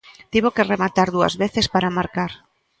Tivo que rematar dúas veces para marcar.